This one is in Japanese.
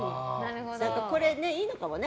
これ、いいのかもね。